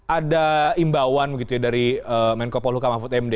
ada imbauan dari menko polhukamah putri md